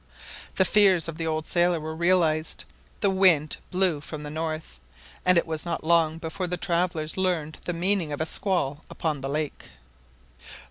The fears of the old sailor were realised. The wind blew from the north, and it was not long before the travellers learned the meaning of a squall upon the lake.